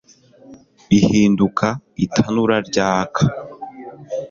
Ihinduka itanura ryaka